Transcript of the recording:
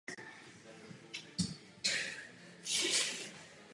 Studovala na Brooklyn College a Newyorské univerzitě.